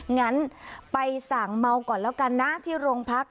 งั้นไปสั่งเมาก่อนแล้วกันนะที่โรงพัก